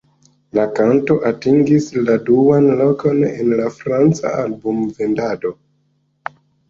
La kanto atingis la duan lokon en la franca album-vendado.